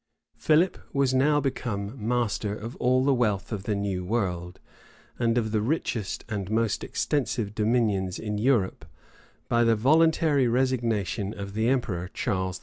Philip was now become master of all the wealth of the new world, and of the richest and most extensive dominions in Europe, by the voluntary resignation of the emperor Charles V.